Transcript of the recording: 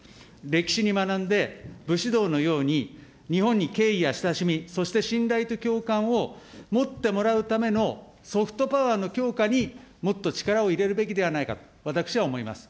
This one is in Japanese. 歴史に学んで、武士道のように、日本に敬意や親しみ、そして信頼と共感を持ってもらうためのソフトパワーの強化に、もっと力を入れるべきではないかと、私は思います。